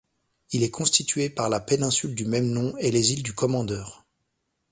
Il est constitué par la péninsule du même nom et les îles du Commandeur.